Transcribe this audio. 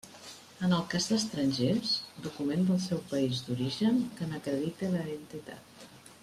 En el cas d'estrangers, document del seu país d'origen que n'acredite la identitat.